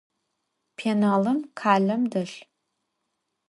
Pênalım khelem delh.